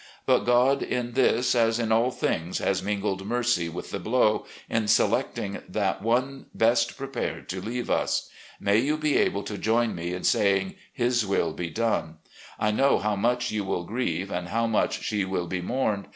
But God in this, as in all things, has mingled mercy with the blow, in selecting 8o RECOLLECTIONS OF GENERAL LEE that one best prepared to leave us. May you be able to join me in saying 'His will be done!' ... I know how much you will grieve and how much she will be mourned.